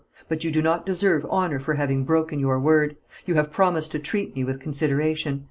But you do not deserve honour for having broken your word. You have promised to treat me with consideration.